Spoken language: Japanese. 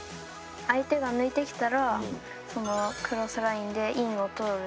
相手が抜いてきたらそのクロスラインでインを取る。